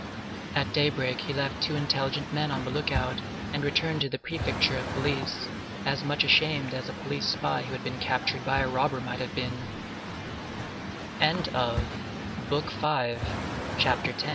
At daybreak he left two intelligent men on the outlook, and returned to the Prefecture of Police, as much ashamed as a police spy who had been captured by a robber might have